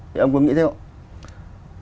thế ông có nghĩ thế không